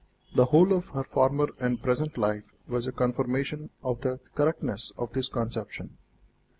The whole of her former and present life was a confirmation of the correctness of this conception.